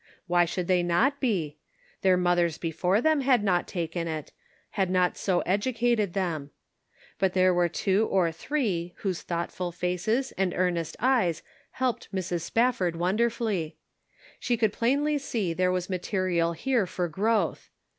Why should they not be ? Their mothers before them had not taken it : had not so educated them. But there Measuring Character. 263 were two or three whose thoughtful faces and earnest eyes helped Mrs. Spafford wonderfully. She could plainly see there was material here for growth.